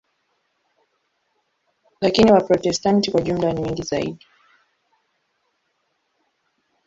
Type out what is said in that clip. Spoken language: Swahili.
Lakini Waprotestanti kwa jumla ni wengi zaidi.